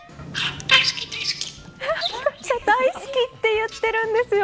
大好きって言ってるんですよ。